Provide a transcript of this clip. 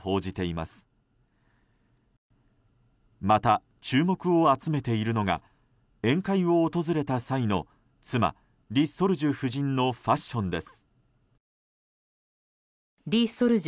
また、注目を集めているのが宴会を訪れた際の妻、リ・ソルジュ夫人のファッションです。